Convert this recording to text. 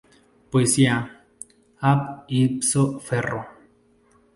Poesía: "Ab Ipso Ferro.